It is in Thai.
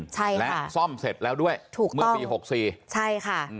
ใช่ค่ะซ่อมเสร็จแล้วด้วยเมื่อปี๖๔